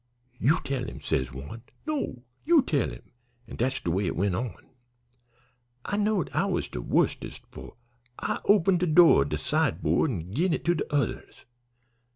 'You tell him,' says one. 'No, you tell him;' an' dat's de way it went on. I knowed I was de wustest, for I opened de door o' de sideboard an' gin it to de others.